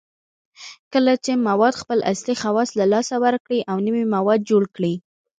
کله چې مواد خپل اصلي خواص له لاسه ورکړي او نوي مواد جوړ کړي